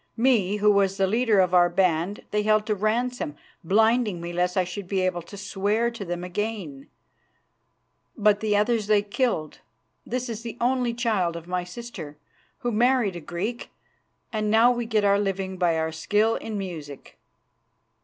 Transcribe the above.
Me, who was the leader of our band, they held to ransom, blinding me lest I should be able to swear to them again, but the others they killed. This is the only child of my sister, who married a Greek, and now we get our living by our skill in music."